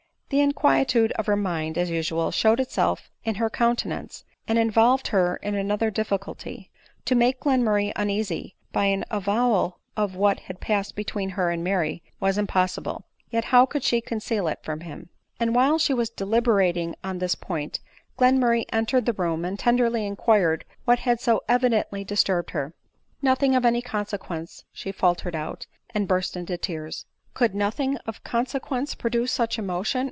The inquietude of her mind, as usual, showed itself in her countenance, and involved her in another dif ficulty ; to make Glenmurray uneasy by an avowal of what had passed between he* and Mary was impossible ; yet how could she conceal it from him ? And while she was deliberating on this point, Glenmurray entered the room, and tenderly inquired what had so evidently dis turbed her* " Nothing of any consequence," she feltered out, and burst into tears. " Could c nothing of con s u ence ' produce such emo tion